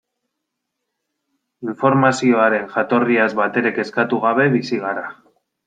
Informazioaren jatorriaz batere kezkatu gabe bizi gara.